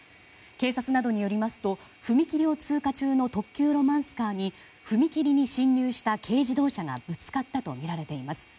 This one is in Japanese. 警察などによりますと踏切を通過中の特急ロマンスカーに踏切に進入した軽自動車がぶつかったとみられています。